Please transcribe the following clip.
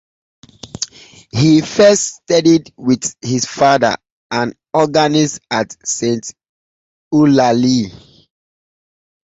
He first studied with his father, an organist at Saint Eulalie.